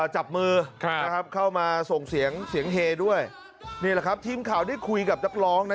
จับมือนะครับเข้ามาส่งเสียงเสียงเฮด้วยนี่แหละครับทีมข่าวได้คุยกับนักร้องนะ